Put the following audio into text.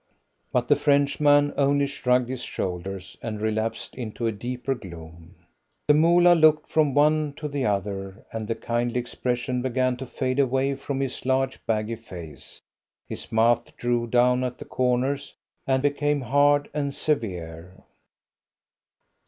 But the Frenchman only shrugged his shoulders and relapsed into a deeper gloom. The Moolah looked from one to the other, and the kindly expression began to fade away from his large, baggy face. His mouth drew down at the corners, and became hard and severe.